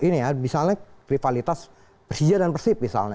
misalnya rivalitas persija dan persib